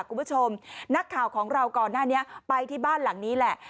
คุณผู้ชมนักข่าวของเราก่อนหน้านี้ไปที่บ้านหลังนี้แหละ